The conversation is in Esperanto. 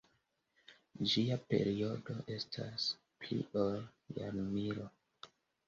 Ĝia periodo estas pli ol jarmilo.